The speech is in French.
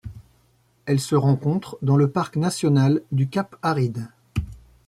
Elle se rencontre dans le parc national du cap Arid.